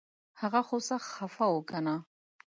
هغه خو سخت خفه و کنه